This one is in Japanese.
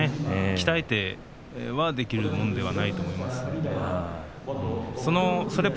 鍛えてできるものではないと思いますので。